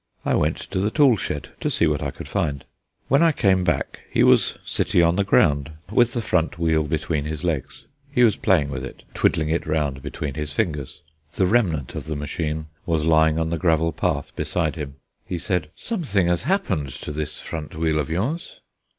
I went to the tool shed to see what I could find. When I came back he was sitting on the ground with the front wheel between his legs. He was playing with it, twiddling it round between his fingers; the remnant of the machine was lying on the gravel path beside him. He said: "Something has happened to this front wheel of yours."